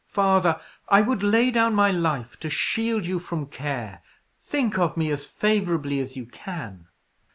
"Father! I would lay down my life to shield you from care! think of me as favourably as you can."